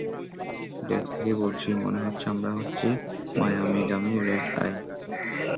Day থেকে বলছি, মনে হচ্ছে আমরা হচ্ছি মায়ামিগামী রেড আই।